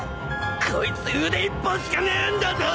こいつ腕一本しかねえんだぞ！